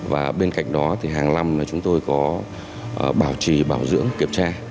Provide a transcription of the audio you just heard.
và bên cạnh đó thì hàng năm là chúng tôi có bảo trì bảo dưỡng kiểm tra